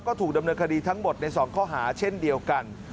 ก็ถูกดำเนินคดีทั้งหมดใน๒ข้อหาเช่นเดียวกัน